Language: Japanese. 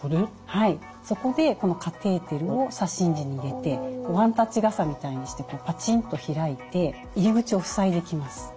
はいそこでこのカテーテルを左心耳に入れてワンタッチ傘みたいにしてパチンと開いて入り口を塞いでいきます。